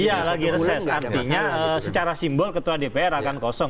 iya lagi reses artinya secara simbol ketua dpr akan kosong